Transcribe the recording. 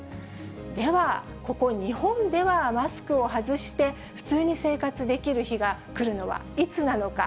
では、ここ日本では、マスクを外して普通に生活できる日が来るのはいつなのか。